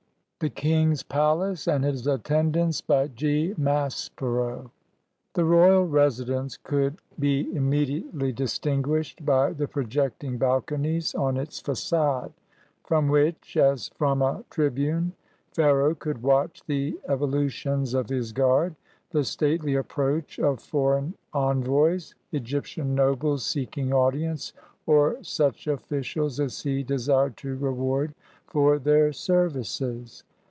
THE KING'S PALACE AND HIS ATTENDANTS BY G. MASPERO The royal residence could be immediately distin guished by the projecting balconies on its fagade, from which, as from a tribime, Pharaoh could watch the evo lutions of his guard, the stately approach of foreign en voys, Egyptian nobles seeking audience, or such officials as he desired to reward for their services.